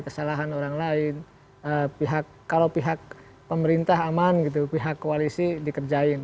kesalahan orang lain pihak kalau pihak pemerintah aman gitu pihak koalisi dikerjain